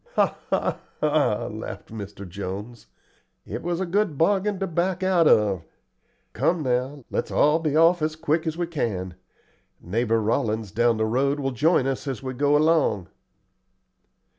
"Ha, ha, ha!" laughed Mr. Jones. "It was a good bargain to back out of. Come now, let's all be off as quick as we can. Neighbor Rollins down the road will join us as we go along."